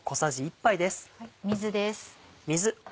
水です。